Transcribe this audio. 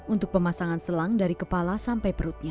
untuk pemasangan selang dari kepala sampai perutnya